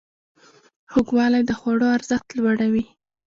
خوږوالی د خوړو ارزښت لوړوي.